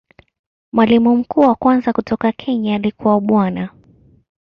Mwalimu mkuu wa kwanza kutoka Kenya alikuwa Bwana.